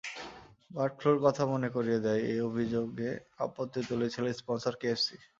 Bird ফ্লুর কথা মনে করিয়ে দেয়—এই অভিযোগে আপত্তি তুলেছিল স্পনসর কেএফসি।